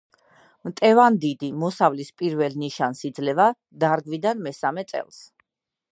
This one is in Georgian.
მტევანდიდი მოსავლის პირველ ნიშანს იძლევა დარგვიდან მესამე წელს.